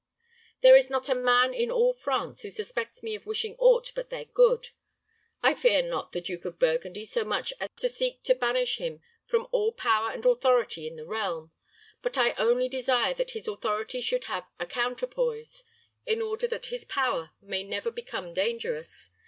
There is not a man in all France who suspects me of wishing aught but their good. I fear not the Duke of Burgundy so much as to seek to banish him from all power and authority in the realm; but I only desire that his authority should have a counterpoise, in order that his power may never become dangerous.